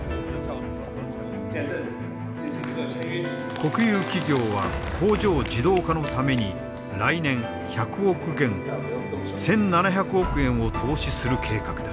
国有企業は工場自動化のために来年１００億元１，７００億円を投資する計画だ。